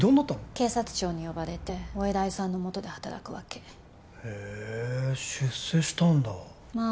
警察庁に呼ばれてお偉いさんのもとで働くわけへえ出世したんだまあ